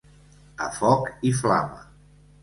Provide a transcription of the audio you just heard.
A foc i flama.